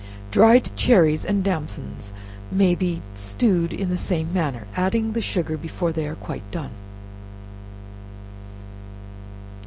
Dried cherries and damsons may be stewed in the same manner, adding the sugar before they are quite done.